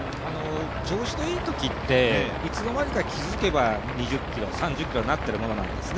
調子のいいときっていつの間にか気づけば２０ｋｍ、３０ｋｍなってるものなんですね